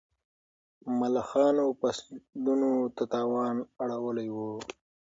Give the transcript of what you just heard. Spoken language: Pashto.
ملخانو فصلونو ته تاوان اړولی و.